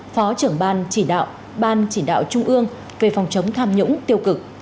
phó trưởng ban chỉ đạo ban chỉ đạo trung ương về phòng chống tham nhũng tiêu cực